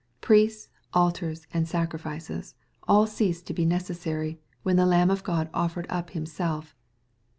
Priests, altars, and sacrifices, all ceased to be necessary, when the Lamb of God offered up Himself.